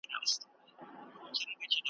دا انجام وي د خپل قام د غلیمانو ,